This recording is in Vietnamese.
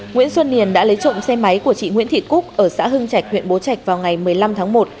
nguyễn xuân điền đã lấy trộm xe máy của chị nguyễn thị cúc ở xã hưng trạch huyện bố trạch vào ngày một mươi năm tháng một